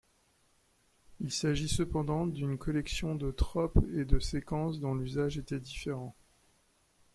Il s'agit cependant d'une collection de tropes et de séquences dont l'usage était différent.